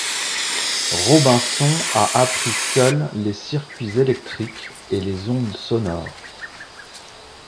Robison a appris seul les circuits électriques et les ondes sonores.